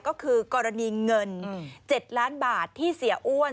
ก็คือกรณีเงิน๗ล้านบาทที่เสียอ้วน